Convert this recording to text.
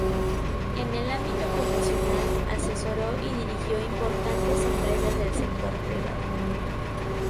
En el ámbito profesional, asesoró y dirigió importantes empresas del sector privado.